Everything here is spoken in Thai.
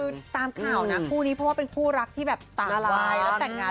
คือตามข่าวนะคู่นี้เพราะว่าเป็นคู่รักที่แบบตาลายแล้วแต่งงาน